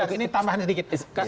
ini tambahin sedikit